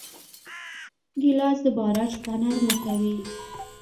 ګیلاس د باران شپه نرمه کوي.